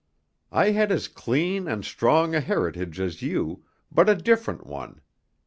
I had as clean and strong a heritage as you, but a different one.